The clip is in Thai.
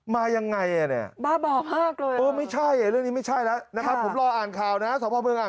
มายังไงแล้วจะไปไหนพี่